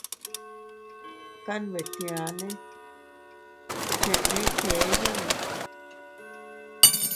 Kanbetianne cheʼe kee yundo.